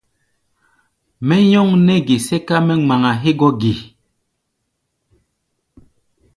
Mɛ́ nyɔ́ŋ nɛ́ ge sɛ́ká mɛ́ ŋmaŋa hégɔ́ ge?